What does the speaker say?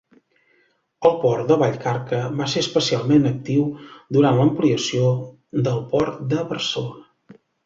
El port de Vallcarca va ser especialment actiu durant l'ampliació del port de Barcelona.